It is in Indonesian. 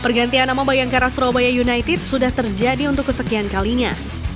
pergantian nama bayangkara surabaya united sudah terjadi untuk kesekian kalinya